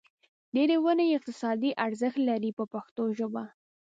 ډېرې ونې یې اقتصادي ارزښت لري په پښتو ژبه.